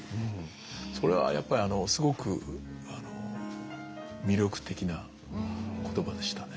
それはやっぱりすごく魅力的な言葉でしたね。